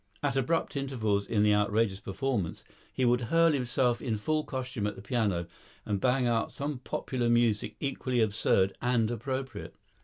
At abrupt intervals in the outrageous performance he would hurl himself in full costume at the piano and bang out some popular music equally absurd and appropriate.